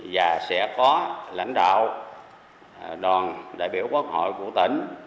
và sẽ có lãnh đạo đoàn đại biểu quốc hội của tỉnh